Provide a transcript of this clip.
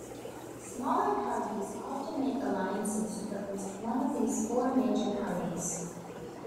Smaller parties often make alliances with at least one of these four major parties.